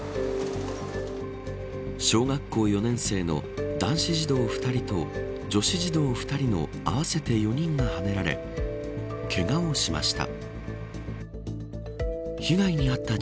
小学校４年生の男子児童２人と女子児童２人の合わせて４人がはねられけがをしました。